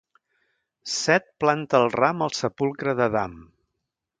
Set planta el ram al sepulcre d'Adam.